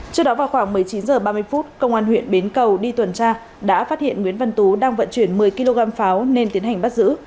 trước đó vào khoảng một mươi chín h ba mươi phút công an huyện bến cầu đi tuần tra đã phát hiện nguyễn văn tú đang vận chuyển một mươi kg pháo nên tiến hành bắt giữ